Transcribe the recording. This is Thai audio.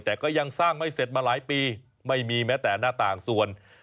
แต่ก็ยังสร้างไม่เสร็จมาหลายปีไม่มีแม้แต่หน้าต่างส่วน